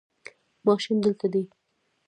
ماشین دلته دی